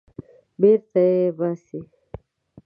بېرته یې باسي.